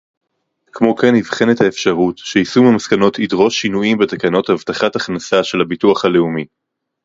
כמו כן נבחנת האפשרות שיישום המסקנות ידרוש שינויים בתקנות הבטחת הכנסה של הביטוח הלאומי